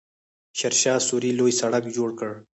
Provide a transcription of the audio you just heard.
شیرشاه سوري لوی سړک جوړ کړ.